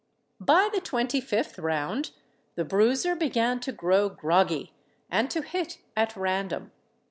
By the twenty fifth round, the Bruiser began to grow "groggy," and to hit at random.